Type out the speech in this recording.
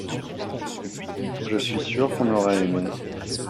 je suis sûr qu'on aurait aimé.